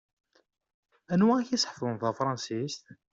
Anwa i ak-iseḥfaḍen tafṛansist?